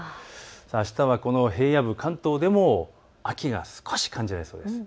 あしたは平野部、関東でも秋が少し感じられそうです。